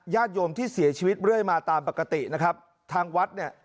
โยมที่เสียชีวิตเรื่อยมาตามปกตินะครับทางวัดเนี่ย